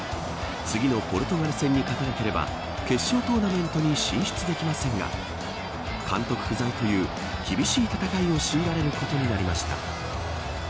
次のポルトガル戦に勝たなければ決勝トーナメントに進出できませんが監督不在という厳しい戦いを強いられることになりました。